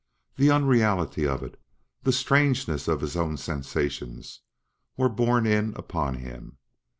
The unreality of it the strangeness of his own sensations were borne in upon him.